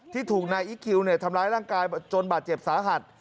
ที่ถูกนายอีคคิวทำร้ายร่างกายจนบาดเจ็บสาหัส